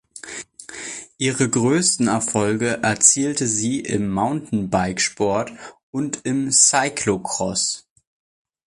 Ihre größten Erfolge erzielte sie im Mountainbikesport und im Cyclocross.